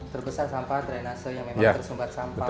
terbesar sampah drainase yang memang tersumbat sampah